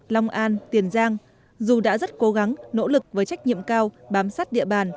long an tiền giang dù đã rất cố gắng nỗ lực với trách nhiệm cao bám sát địa bàn